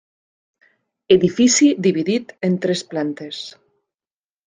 Edifici dividit en tres plantes.